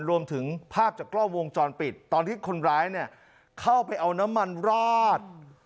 รวมถึงภาพจากกล้องวงจรปิดตอนที่คนร้ายเนี่ยเข้าไปเอาน้ำมันราด